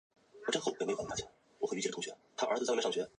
维也纳会议要求路易十八在他复辟前推行一部宪法。